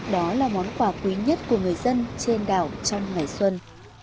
đó là món quà quý nhất của người dân trên đảo trong ngày xuân